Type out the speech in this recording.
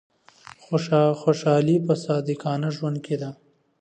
خوشحالي په صادقانه ژوند کي ده.